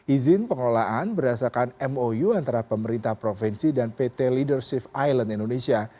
izin pengelolaan berdasarkan mou antara pemerintah provinsi dan pt leadership island indonesia